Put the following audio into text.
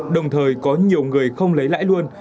đồng thời có nhiều người không lấy lãi luôn